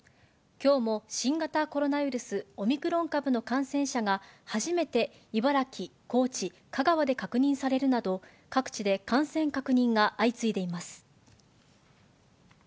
きょうも新型コロナウイルス、オミクロン株の感染者が初めて茨城、高知、香川で確認されるなど、各地で感染確認が相次いでいます。